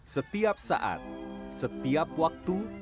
setiap saat setiap waktu